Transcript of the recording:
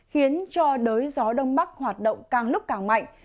khiến cho đới gió đông bắc hoạt động càng lúc càng mạnh